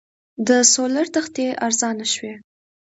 د سولر تختې ارزانه شوي؟